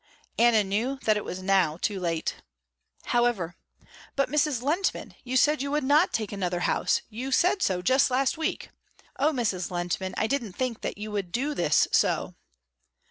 Anna knew that it was now too late. However, "But Mrs. Lehntman you said you would not take another house, you said so just last week. Oh, Mrs. Lehntman I didn't think that you would do this so!"